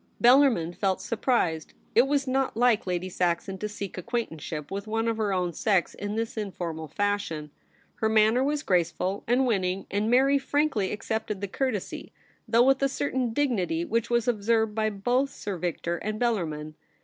Bellarmin felt surprised. It was not like Lady Saxon to seek acquaintanceship with one of her own sex in this informal fashion. Her manner was graceful and winning, and Mary frankly accepted the courtesy, though with a certain dignity which was observed by both Sir Victor and Bellarmin.